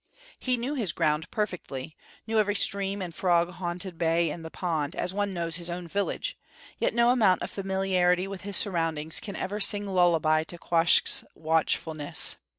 He knew his ground perfectly; knew every stream and frog haunted bay in the pond as one knows his own village; yet no amount of familiarity with his surroundings can ever sing lullaby to Quoskh's watchfulness.